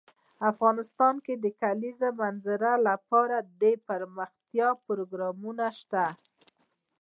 افغانستان کې د د کلیزو منظره لپاره دپرمختیا پروګرامونه شته.